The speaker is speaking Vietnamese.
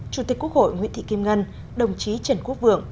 chủ tịch quốc hội nguyễn thị kim ngân đồng chí trần quốc vượng